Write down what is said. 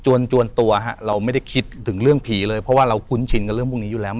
จวนตัวฮะเราไม่ได้คิดถึงเรื่องผีเลยเพราะว่าเราคุ้นชินกับเรื่องพวกนี้อยู่แล้ว